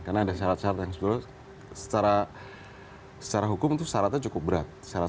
karena ada syarat syarat yang sebenarnya secara hukum itu syaratnya cukup berat